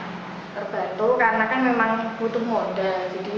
terbantu karena kan memang butuh modal